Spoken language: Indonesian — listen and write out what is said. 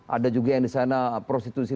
ada juga yang di sana prostitusi